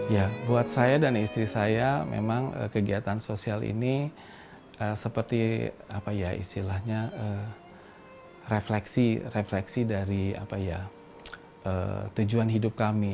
ya buat saya dan istri saya memang kegiatan sosial ini seperti apa ya istilahnya refleksi refleksi dari tujuan hidup kami